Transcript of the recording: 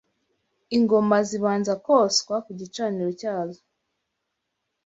ingoma zibanza koswa ku gicaniro cyazo